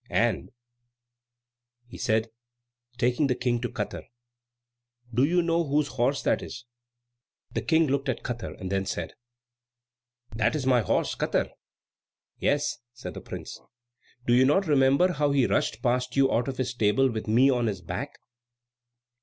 And," he said, taking the King to Katar, "do you know whose horse that is?" The King looked at Katar, and then said, "That is my horse Katar." "Yes," said the prince. "Do you not remember how he rushed past you out of his stable with me on his back?"